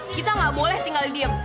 kita nggak boleh tinggal diem